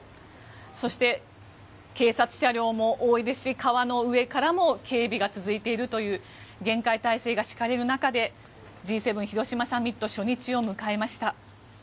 そして、警察車両も多いですし川の上からも警備が続いているという厳戒態勢が敷かれる中でＧ７広島サミット初日を迎えました。